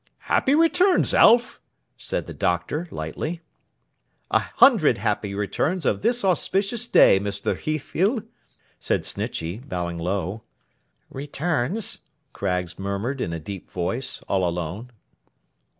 'Happy returns, Alf!' said the Doctor, lightly. 'A hundred happy returns of this auspicious day, Mr. Heathfield!' said Snitchey, bowing low. 'Returns!' Craggs murmured in a deep voice, all alone.